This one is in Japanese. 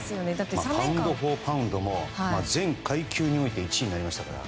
パウンド・フォー・パウンドも全階級において１位になりましたから。